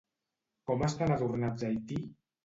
Com estan adornats a Haití?